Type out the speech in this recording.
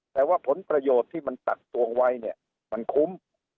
แต่ว่าผลประโยชน์ที่มันตักตวงไว้เนี่ยมันคุ้ม